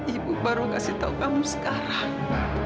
ibu baru terburu buruburu kepadamu sekarang